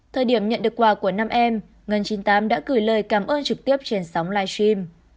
thời điểm nhận được quà của năm em ngân chín mươi tám đã gửi lời cảm ơn trực tiếp trên sóng live stream